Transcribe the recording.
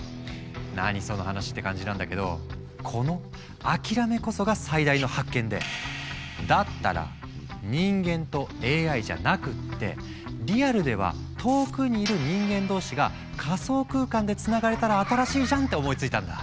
何その話？って感じなんだけどこの諦めこそが最大の発見でだったら人間とＡＩじゃなくってリアルでは遠くにいる人間同士が仮想空間でつながれたら新しいじゃんって思いついたんだ。